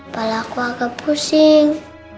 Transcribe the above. kalahku agak pusing